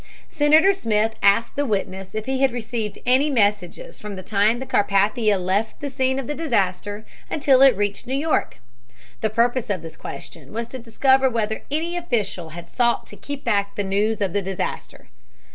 Senator Smith asked the witness if he had received any messages from the time the Carpathia left the scene of the disaster until it reached New York. The purpose of this question was to discover whether any official had sought to keep back the news of the disaster.